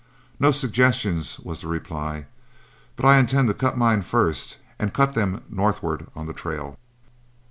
"No suggestions," was the reply, "but I intend to cut mine first and cut them northward on the trail."